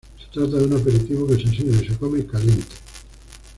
Se trata de un aperitivo que se sirve y se come caliente.